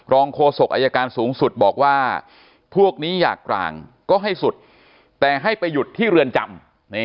โคศกอายการสูงสุดบอกว่าพวกนี้อยากกลางก็ให้สุดแต่ให้ไปหยุดที่เรือนจำ